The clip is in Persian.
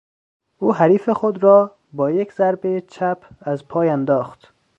او حریف خود را با یک ضربهی چپ از پای انداخت.